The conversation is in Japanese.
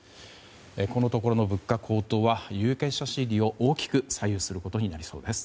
このところの物価高騰は有権者心理を大きく左右することになりそうです。